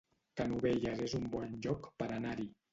Canovelles es un bon lloc per anar-hi